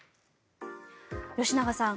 吉永さん